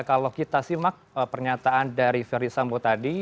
kalau kita simak pernyataan dari verisambu tadi